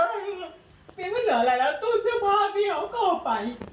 พี่ไม่เหลืออะไรแล้วตู้เสื้อผ้าพี่เขาก็ออกไป